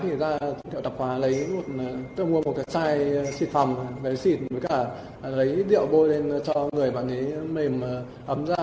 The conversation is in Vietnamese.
thì ra tập hóa lấy một chai xịt phòng với xịt với cả lấy điệu bôi lên cho người bạn ấy mềm ấm ra